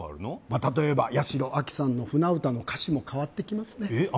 まあ例えば八代亜紀さんの「舟唄」の歌詞も変わってきますねえっ